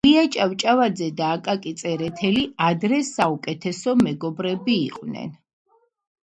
ილია ჭავჭავაძე და აკაკი წერეთელი ადრე საუკეთესო მეგობრები იყვნენ.